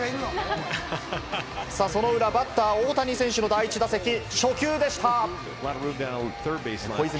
その裏、バッター大谷選手の第１打席、初球でした。